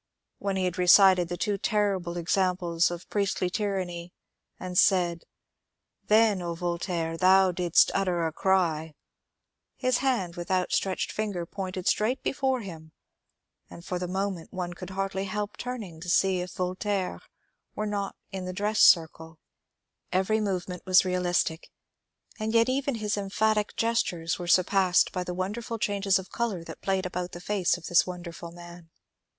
When he had recited the two terrible exam ples of priestly tyranny, and said, Then, O Voltaire, thou didst utter a cry I " his hand with outstretched finger pointed straight before him, and for the moment one could hardly help turning to see if Voltaire were not in the dress circla Every movement was realistic ; and yet even his emphatic gestures were surpassed by the wonderful changes of colour that played about the face of this wonderful man.